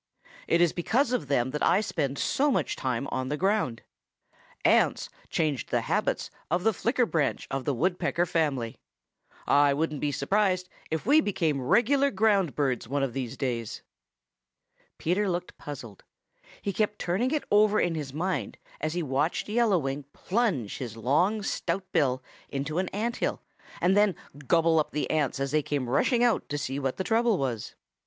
It is because of them that I spend so much time on the ground. Ants changed the habits of the Flicker branch of the Woodpecker family. I wouldn't be surprised if we became regular ground birds one of these days." Peter looked puzzled. He kept turning it over in his mind as he watched Yellow Wing plunge his long stout bill into an ant hill and then gobble up the ants as they came rushing out to see what the trouble was.